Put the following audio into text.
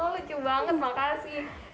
lucu banget makasih